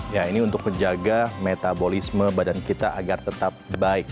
ya ini untuk menjaga metabolisme badan kita agar tetap baik